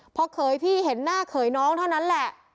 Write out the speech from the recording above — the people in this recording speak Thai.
เขยพี่เห็นหน้าเขยน้องเท่านั้นแหละ